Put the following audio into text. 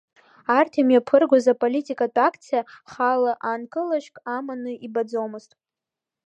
Арҭ имҩаԥыргоз аполитикатә акциа хаала аанкылашьак аманы ибаӡомызт.